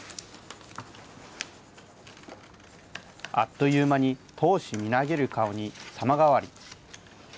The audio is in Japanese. あっというまに闘志みなぎる顔に様変わり。